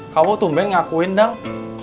kau tuh mengakuin dong